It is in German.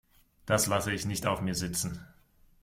Das lasse ich nicht auf mir sitzen.